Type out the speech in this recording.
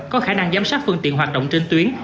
có khả năng giám sát phương tiện hoạt động trên tuyến